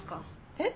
えっ？